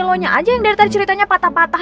lo nya aja yang dari tadi ceritanya patah patah